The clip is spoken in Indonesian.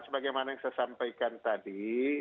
sebagaimana yang saya sampaikan tadi